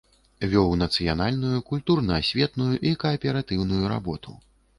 Вёў нацыянальную, культурна-асветную і кааператыўную работу.